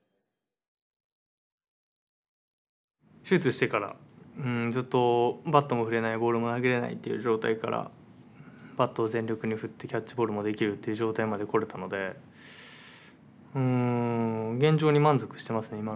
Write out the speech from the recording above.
手術してからずっとバットも振れないボールも投げれないっていう状態からバットを全力に振ってキャッチボールもできるっていう状態まで来れたので現状に満足してますね